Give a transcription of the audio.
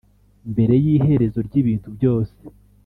mbere y’iherezo ry’ibintu byose